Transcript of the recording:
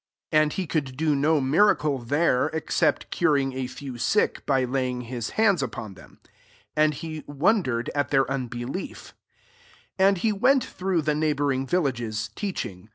5 And he could do no miracle there, except curing a few sick, by laying his hands upon them. 6 And he wondered at their un belief. 7 And he went through the neighbouring villages, teaching.